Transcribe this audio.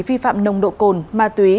vi phạm nông độ cồn ma túy